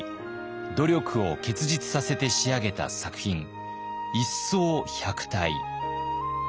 努力を結実させて仕上げた作品「一掃百態」。